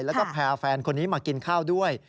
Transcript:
แล้วก็พาแฟนคนนี้มากินข้าวด้วย